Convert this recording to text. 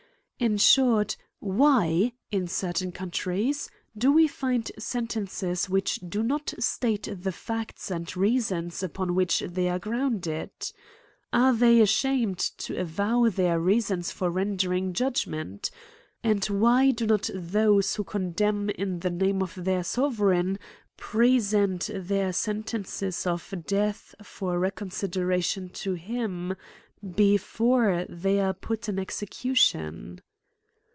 In short, why, in certain countries, do we find sentences which do not state the facts and reasons upon which they are grounded ? Are they ashamed to avow their reasons for rendering judgment. And why do not those who condemn in the name of their sove reign, present their sentences of death for recon, sideration to him, before they are put in ejcecution!